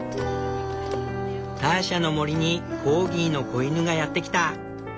ターシャの森にコーギーの子犬がやってきた！